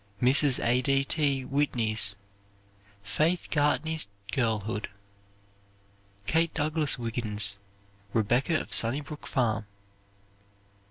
Mrs. A. D. T. Whitney's "Faith Gartney's Girlhood." Kate Douglas Wiggin's "Rebecca of Sunnybrook Farm."